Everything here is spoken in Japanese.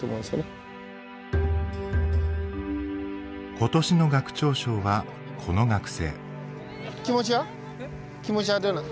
今年の学長賞はこの学生。